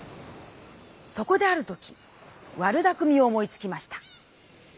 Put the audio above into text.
そこであるときわるだくみを思いつきました。